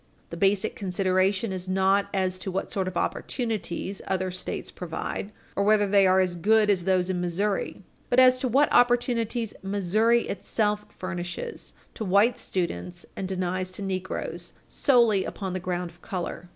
The basic consideration is not as to what sort of opportunities other States provide, or whether they are as good as those in Missouri, but as to what opportunities Missouri itself furnishes to white students and denies to negroes solely upon the ground of color.